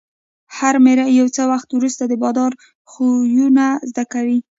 هر مریی یو څه وخت وروسته د بادار خویونه زده کوي.